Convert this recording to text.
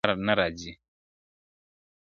زما د ميني ليونيه، ستا خبر نه راځي.